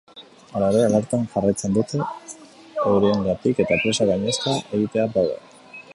Hala ere, alertan jarraitzen dute euriengatik eta presak gainezka egitear daude.